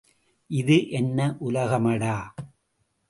இது என்ன உலகமடா!